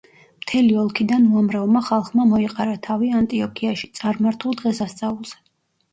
მთელი ოლქიდან უამრავმა ხალხმა მოიყარა თავი ანტიოქიაში, წარმართულ დღესასწაულზე.